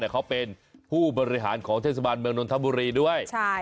แต่เขาเป็นผู้บริหารของเทศบาลเมืองนทบุรีด้วย